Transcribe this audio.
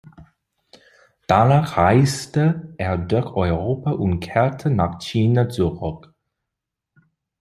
Danach reiste er durch Europa und kehrte nach China zurück.